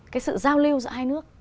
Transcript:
cái sự giao lưu giữa hai nước